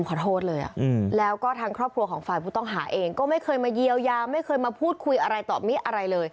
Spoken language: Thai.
คุณแม่บอกว่าตั้งแต่วันนั้นจนถึงวันนี้